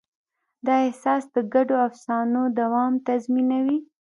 دا احساس د ګډو افسانو دوام تضمینوي.